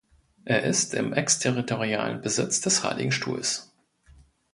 Er ist im exterritorialen Besitz des Heiligen Stuhls.